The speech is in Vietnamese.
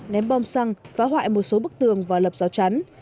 ném bom xăng phá hoại một số bức tường và lập rào chắn